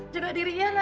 jaga diri ya nak ya